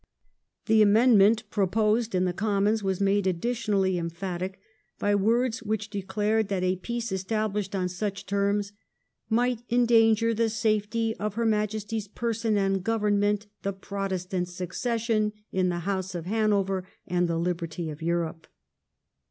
The amendment proposed in the Commons was made additionally emphatic by words which declared that a peace established on such terms ' might endanger the safety of her Majesty's person and Government, the Protestant Succession in the House of Hanover, and the liberty of Europe.'